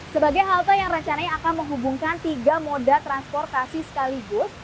sebagai halte yang rencananya akan menghubungkan tiga moda transportasi sekaligus